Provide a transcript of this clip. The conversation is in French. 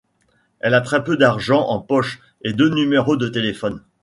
Elle a très peu d'argent en poche et deux numéros de téléphone.